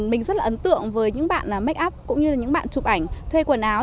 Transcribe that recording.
mình rất là ấn tượng với những bạn make up cũng như những bạn chụp ảnh thuê quần áo